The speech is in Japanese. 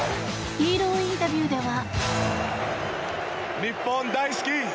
ヒーローインタビューでは。